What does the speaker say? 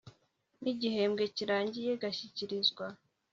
n igihembwe kirangiye igashyikirizwa